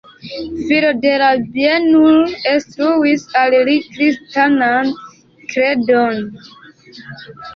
Filo de la bienulo instruis al li kristanan kredon.